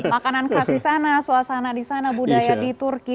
makanan khas di sana suasana di sana budaya di turki